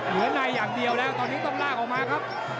เหลือในอย่างเดียวแล้วตอนนี้ต้องลากออกมาครับ